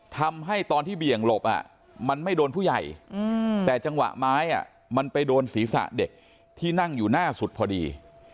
ทำให้ตอนที่เบี่ยงหลบมันไม่โดนผู้ใหญ่แต่จังหวะไม้มันไปโดนศีรษะเด็กที่นั่งอยู่หน้าสุดพอดี